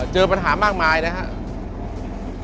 เจอปัญหามากมายนะครับ